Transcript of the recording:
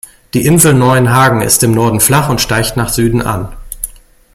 Die Insel Neuenhagen ist im Norden flach und steigt nach Süden an.